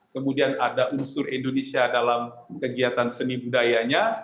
kemudian ada unsur indonesia dalam kegiatan seni budayanya